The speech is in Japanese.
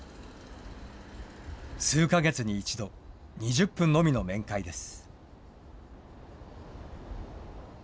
数か月に一度、２０分のみの面会です。